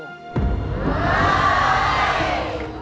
ใช่